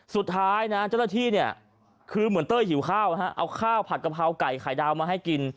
สุดท้ายนะเจ้าหน้าที่เนี่ยคือเหมือนเต้ยหิวข้าวเอาข้าวผัดกะเพราไก่ไข่ดาวมาให้กิน